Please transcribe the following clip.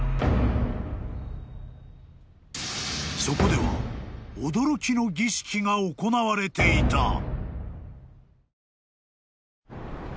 ［そこでは驚きの儀式が行われていた］